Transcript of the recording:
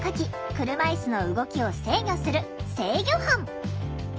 車いすの動きを制御する制御班。